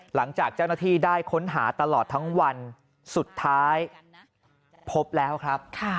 หลังจากเจ้าหน้าที่ได้ค้นหาตลอดทั้งวันสุดท้ายพบแล้วครับ